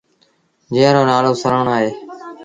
جݩهݩ رو نآلو سروڻ اهي۔